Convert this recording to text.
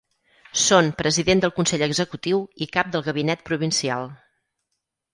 Són president del consell executiu i cap del gabinet provincial.